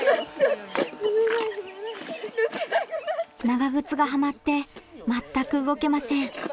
長靴がはまって全く動けません。